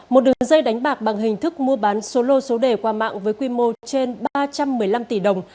một đường dây đánh bạc bằng hình thức mua bán solo số đề qua mạng với quy mô trên ba trăm một mươi năm tỷ đồng